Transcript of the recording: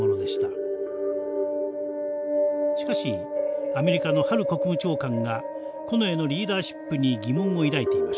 しかしアメリカのハル国務長官が近衛のリーダーシップに疑問を抱いていました。